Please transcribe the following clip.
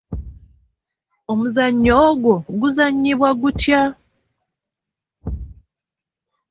Omuzannyo ogwo guzannyibwa gutya?